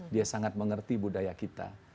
dia sangat mengerti budaya kita